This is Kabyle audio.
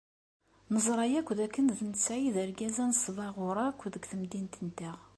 Neẓra akk dakken d netta ay d argaz anesbaɣur akk deg temdint-nteɣ.